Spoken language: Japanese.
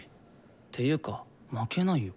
ていうか負けないよ。